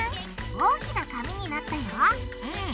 大きな紙になったよ！